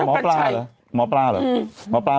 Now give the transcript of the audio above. หมอปลาเหรอหมอปลา